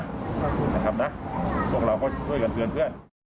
ขอบคุณนะครับนะพวกเราก็ช่วยกันเตือนเพื่อน